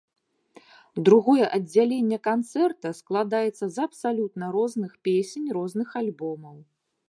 Другое аддзяленне канцэрта складаецца з абсалютна розных песень розных альбомаў.